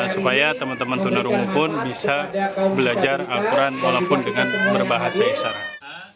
supaya teman teman tunarungu pun bisa belajar al quran walaupun dengan berbahasa isyarat